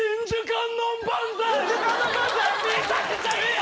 めちゃくちゃいいよ。